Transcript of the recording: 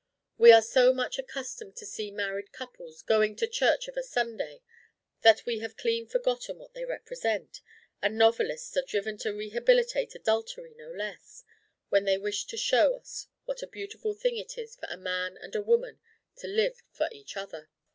We are so much accustomed to see married couples going to church of a Sunday that we have clean forgotten what they represent; and novelists are driven to rehabilitate adultery, no less, when they wish to show us what a beautiful thing it is for a man and a woman to live for each other.